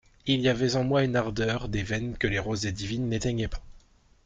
Il y avait en moi une ardeur des veines que les rosées divines n'éteignaient pas.